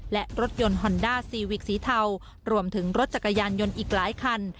และรถยนต์ฮอนด้าซีวิกสีเทารวมถึงรถจักรยานยนต์อีกหลายคัน